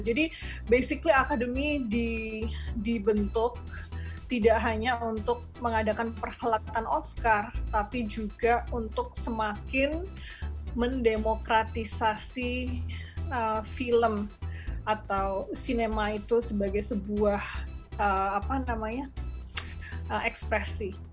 jadi basically akademi dibentuk tidak hanya untuk mengadakan perhelatan oscar tapi juga untuk semakin mendemokratisasi film atau sinema itu sebagai sebuah ekspresi